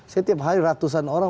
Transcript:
saya tiap hari ratusan orang